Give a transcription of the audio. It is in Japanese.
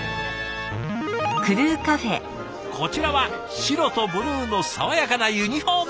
こちらは白とブルーの爽やかなユニフォームコンビ。